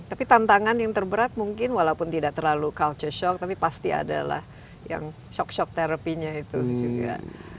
tapi tantangan yang terberat mungkin walaupun tidak terlalu culture shock tapi pasti adalah yang shock shock therapy nya itu juga